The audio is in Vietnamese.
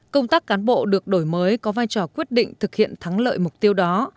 công tác cán bộ được đổi mới có vai trò quyết định thực hiện thắng lợi mục tiêu đó